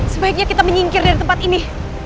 sebaiknya kita menyingkir dari tempat ini